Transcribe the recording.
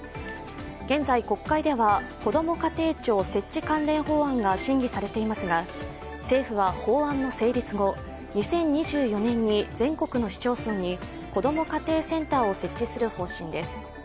現在、国会では、こども家庭庁設置関連法案が審議されていますが、政府は法案の成立後、２０２４年に全国の市町村にこども家庭センターを設置する方針です。